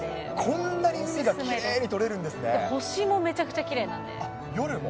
こんなに海がきれいに撮れる星もめちゃくちゃきれいなん夜も？